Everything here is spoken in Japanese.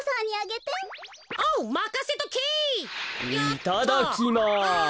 いただきます。